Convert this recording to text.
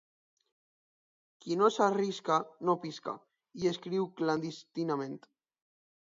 «Qui no s'arrisca no pisca», hi escriu clandestinament.